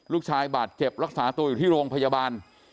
ลูกชายบาดเจ็บรักษาตัวอยู่ที่โรงพยาบาล